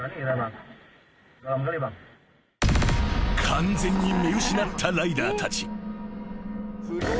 ［完全に見失ったライダーたち］